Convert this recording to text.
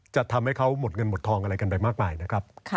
จะทำให้เขาหมดเงินหมดทองอะไรกันไปมากมายนะครับ